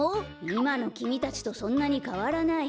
いまのきみたちとそんなにかわらない。